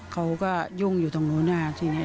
เขาก็ยุ่งอยู่ตรงนู้นทีนี้